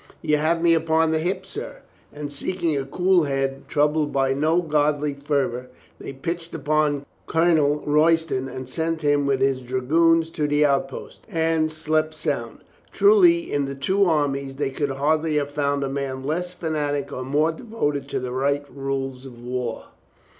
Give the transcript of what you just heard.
"You have me upon the hip, sir." And seeking a cool head, troubled by no godly fervor, they pitched upon Colonel Royston and sent him with his dragoons to the outposts, and slept sound. Truly, in the two armies they could hardly have found a man less fanatic or more devoted to the right rules of war.